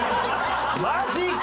マジか！